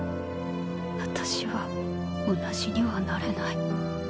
私は同じにはなれない。